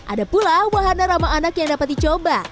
ada pula wahana ramah anak yang dapat dicoba